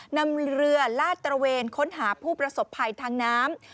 นำเรือลาดตระเวนค้นหาผู้ประสบภัยทางน้ำ